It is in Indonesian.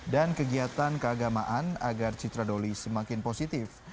kegiatan keagamaan agar citra doli semakin positif